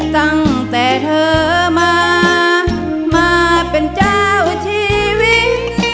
ตั้งแต่เธอมามาเป็นเจ้าชีวิต